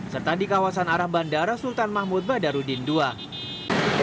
serta di kawasan arah bandara sultan mahmud badarudin ii